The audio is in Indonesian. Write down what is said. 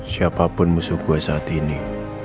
siapapun musuh gue saat ini